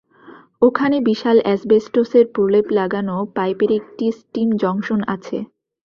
ওখানে বিশাল অ্যাসবেস্টসের প্রলেপ লাগানো পাইপের একটি স্টিম জংশন আছে।